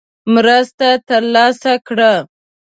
مرسته ترلاسه کړه.